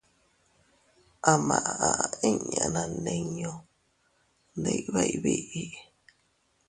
A maʼa inña naandinñu ndibeʼey biʼi.